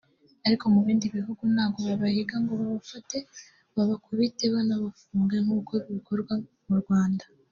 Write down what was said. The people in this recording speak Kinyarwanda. Ariko mu bindi bihugu ntabwo babahiga ngo babafate babakubite banabafunge nk’uko bikorwa hano mu Rwanda